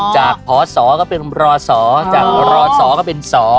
จากพศก็เป็นรศจากรศก็เป็นศ